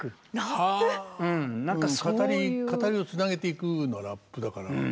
語りをつなげていくのはラップだから。